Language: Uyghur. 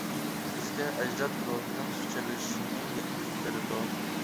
بىزگە ئەجداد روھىنىڭ پىچىرلىشىنى يەتكۈزۈپ بېرىدۇ.